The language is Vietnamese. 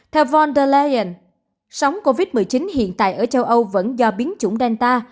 theo von der leyen sóng covid một mươi chín hiện tại ở châu âu vẫn do biến chủng delta